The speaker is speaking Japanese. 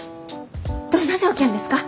どんな条件ですか？